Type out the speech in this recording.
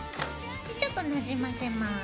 でちょっとなじませます。